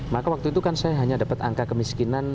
maka waktu itu kan saya hanya dapat angka kemiskinan